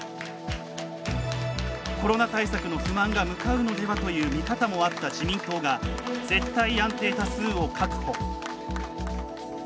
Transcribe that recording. コロナ対策の不満が向かうのではという見方もあった自民党が絶対安定多数を確保。